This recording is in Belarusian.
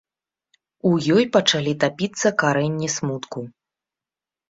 У ёй пачалі тапіцца карэнні смутку.